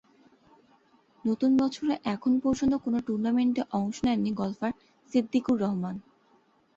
নতুন বছরে এখন পর্যন্ত কোনো টুর্নামেন্টে অংশ নেননি গলফার সিদ্দিকুর রহমান।